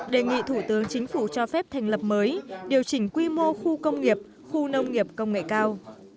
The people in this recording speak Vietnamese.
đề nghị thủ tướng chính phủ cho phép thành lập mới điều chỉnh quy mô khu công nghiệp khu nông nghiệp công nghệ cao